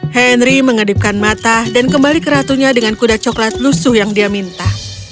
henry mengadipkan mata dan kembali ke ratunya dengan kuda coklat lusuh yang dia minta